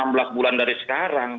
enam belas bulan dari sekarang